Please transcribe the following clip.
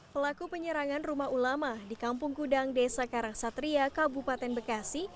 pelaku penyerangan rumah ulama di kampung kudang desa karangsatria kabupaten bekasi